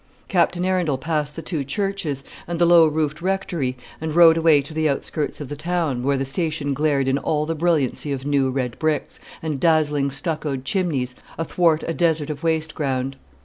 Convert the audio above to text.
Captain Arundel passed the two churches, and the low roofed rectory, and rode away to the outskirts of the town, where the station glared in all the brilliancy of new red bricks, and dazzling stuccoed chimneys, athwart a desert of waste ground.